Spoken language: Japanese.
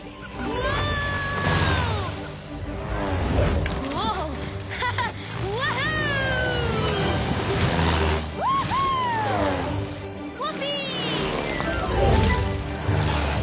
ウッピー！